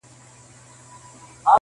o په ړندو کي يو سترگی پاچا دئ٫